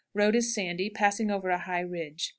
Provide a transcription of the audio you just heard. Road is sandy, passing over a high ridge.